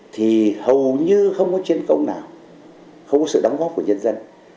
thì hầu như không có chiến công nào không có sự đóng góp của nhân dân